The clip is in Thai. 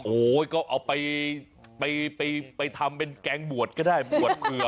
โอ้โหก็เอาไปทำเป็นแกงบวชก็ได้บวชเผื่อ